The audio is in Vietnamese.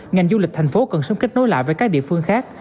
ngành du lịch thành phố cần sớm kết nối lại với các địa phương khác